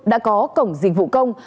đã có cổng dịch vụ công